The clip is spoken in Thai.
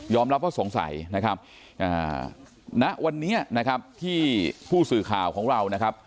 รับว่าสงสัยนะครับณวันนี้นะครับที่ผู้สื่อข่าวของเรานะครับ